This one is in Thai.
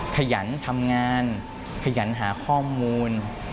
ขยันทำงานขยันหาข้อมูล